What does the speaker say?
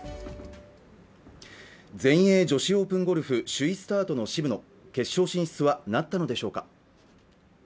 全英女子オープンゴルフ首位スタートの渋野決勝進出はなったのでしょうか